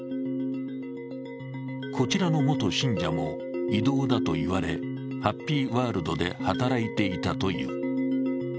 こちらの元信者も異動だといわれ、ハッピーワールドで働いていたという。